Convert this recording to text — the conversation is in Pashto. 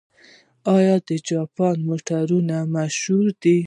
آیا د جاپان موټرې مشهورې دي؟